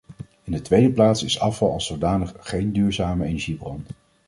In de tweede plaats is afval als zodanig geen duurzame energiebron.